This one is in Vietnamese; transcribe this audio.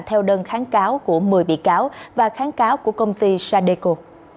theo đơn kháng cáo của một mươi bị cáo và kháng cáo của công ty sadeco